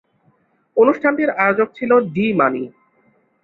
অনুষ্ঠানটির আয়োজক ছিল ডি-মানি।